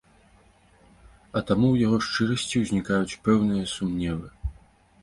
А таму ў яго шчырасці ўзнікаюць пэўныя сумневы.